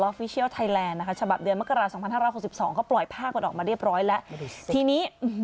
ฟิเชียลไทยแลนด์นะคะฉบับเดือนมกราศ๒๕๖๒ก็ปล่อยภาพมันออกมาเรียบร้อยแล้วทีนี้